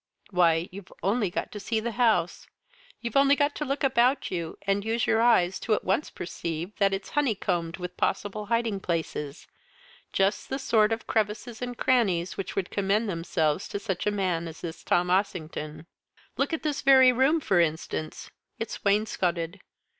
Why, you've only got to see the house; you've only to look about you, and use your eyes, to at once perceive that it's honeycombed with possible hiding places just the sort of crevices and crannies which would commend themselves to such a man as this Tom Ossington. Look at this very room, for instance; it's wainscotted.